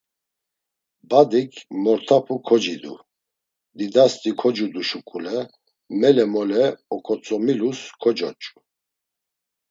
Badik mort̆apu kocidu, didasti kocudu şuǩule mele mole oǩotzomilus kocoç̌u.